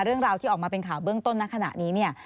เรื่องราวที่ออกมาเป็นข่าวเบื้องต้นในขณะนี้เนี่ย